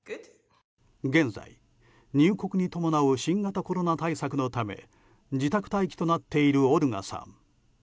現在、入国に伴う新型コロナ対策のため自宅待機となっているオルガさん。